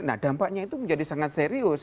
nah dampaknya itu menjadi sangat serius